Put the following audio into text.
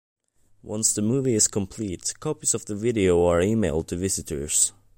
Once the movie is complete, copies of the video are emailed to visitors.